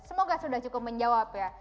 semoga sudah cukup menjawab ya